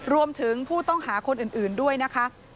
รวมถึงผู้ต้องหาคนอื่นด้วยนะคะ